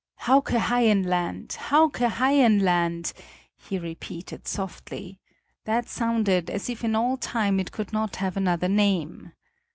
"Hauke Haien land! Hauke Haien land!" he repeated softly; that sounded as if in all time it could not have another name.